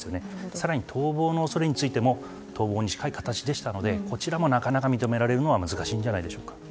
更に、逃亡の恐れについても逃亡に近い形でしたのでこちらもなかなか認められるのは難しいんじゃないでしょうか。